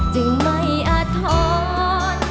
จึงไม่อาทร